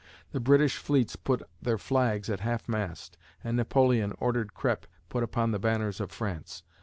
The British fleets put their flags at half mast and Napoleon ordered crêpe put upon the banners of France.